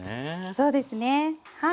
そうですねはい。